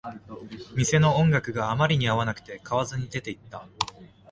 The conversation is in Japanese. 店の音楽があまりに合わなくて、買わずに出ていった